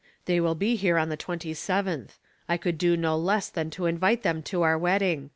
They will be here on the twenty seventh. I could do no less than to invite them to our wedding.